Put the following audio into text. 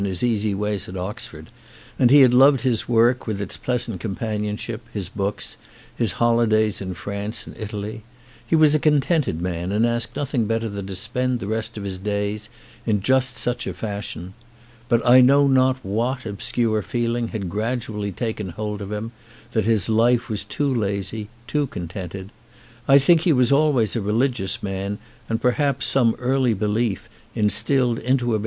his easy ways at Oxford; and he had loved his work, with its pleasant companionship, his books*, his holidays in France and Italy. He was a con tented man and asked nothing better than to spend the rest of his days in just such a fashion; but I know not what obscure feeling had gradually taken hold of him that his life was too lazy, too contented ; I think he was always a religious man and perhaps some early belief, instilled into him.